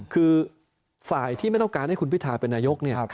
คือฝ่ายที่ไม่ต้องการให้คุณพิทาเป็นนายก